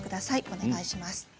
お願いします。